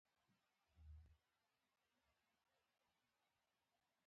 په نسبتا تودو سیمو کې اچار زر رسیږي په پښتو وینا.